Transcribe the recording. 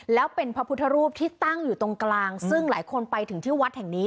แล้วเป็นพระพุทธรูปที่ตั้งอยู่ตรงกลางซึ่งหลายคนไปถึงที่วัดแห่งนี้